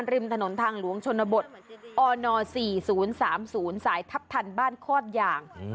ริมถนนทางหลวงชนบทอน๔๐๓๐สายทัพทันบ้านคอดยาง